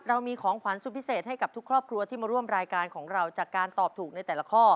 เรามีของขวัญสุดพิเศษให้กับทุกครอบครัวที่มาร่วมรายการของเราจากการตอบถูกในแต่ละข้อ